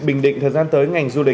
bình định thời gian tới